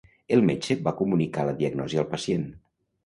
El metge va comunicar la diagnosi al pacient